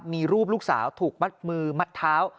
มีรูปลูกสาวถูกมัดมือมัดเท้า